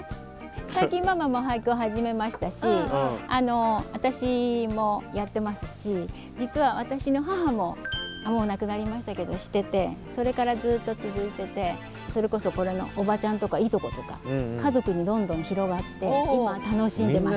最近ママも俳句を始めましたし私もやってますし実は私の母ももう亡くなりましたけどしててそれからずっと続いててそれこそこれのおばちゃんとかいとことか家族にどんどん広がって今楽しんでます。